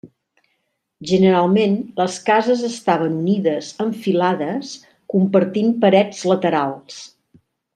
Generalment les cases estaven unides en filades compartint parets laterals.